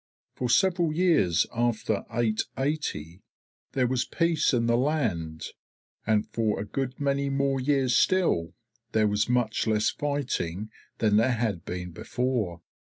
For several years after 880 there was peace in the land, and for a good many more years still there was much less fighting than there had been before.